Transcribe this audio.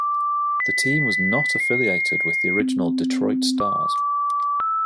The team was not affiliated with the original Detroit Stars.